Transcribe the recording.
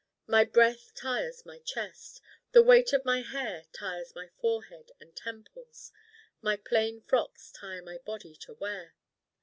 My breath Tires my chest. The weight of my hair Tires my forehead and temples. My plain frocks Tire my Body to wear.